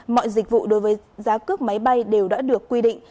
mọi dịch vụ đối với giá cước máy bay đều đã được quy định